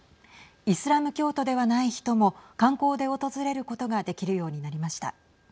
イスラム教徒ではない人も観光で訪れることができるようになりました。